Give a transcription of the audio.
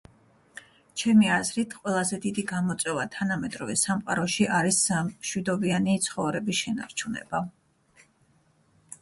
ჩემი აზრით, ყველაზე დიდი გამოწვევა თანამედროვე სამყაროში არის სამ.. მშვიდობიანი ცხოვრების შენარჩუნება.